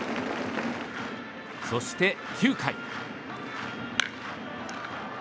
そして９回。